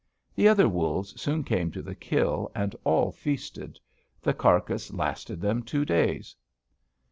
The other wolves soon came to the kill, and all feasted. The carcass lasted them two days.